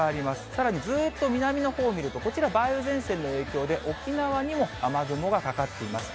さらにずっと南のほうを見ると、こちら、梅雨前線の影響で、沖縄にも雨雲がかかっています。